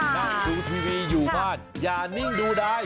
นั่งดูทีวีอยู่บ้านอย่านิ่งดูได้